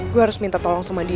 gue harus minta tolong sama dia